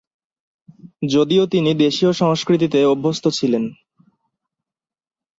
যদিও তিনি দেশীয় সংস্কৃতিতে অভ্যস্ত ছিলেন।